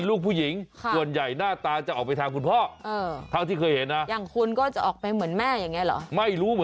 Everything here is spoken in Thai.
ระหว่างคุณพ่อคุณแม่